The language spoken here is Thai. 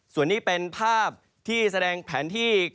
ส่วนนี้เป็นภาพที่แสดงแผนที่